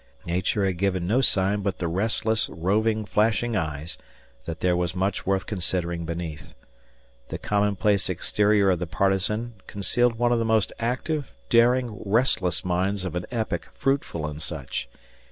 Nature had given no sign but the restless, roving, flashing eyes, that there was much worth considering beneath. The commonplace exterior of the partisan concealed one of the most active, daring, restless minds of an epoch fruitful in such.